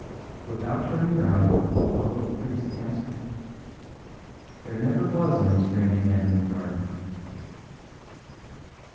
Without turning round, the little priest answered: "There never was any strange man in the garden."